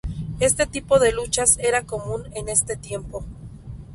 Este tipo de luchas era común en este tiempo.